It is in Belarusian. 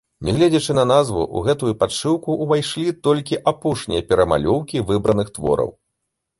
Нягледзячы на назву, у гэтую падшыўку ўвайшлі толькі апошнія перамалёўкі выбраных твораў.